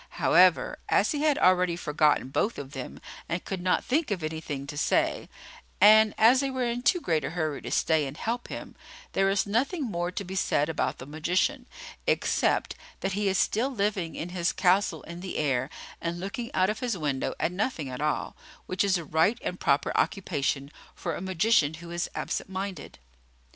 However, as he had already forgotten both of them and could not think of anything to say, and as they were in too great a hurry to stay and help him, there is nothing more to be said about the magician, except that he is still living in his castle in the air and looking out of his window at nothing at all, which is a right and proper occupation for a magician who is absent minded.